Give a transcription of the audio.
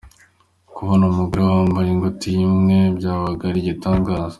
Kubona umugore wambaye ingutiya imwe byabaga ari igitangaza.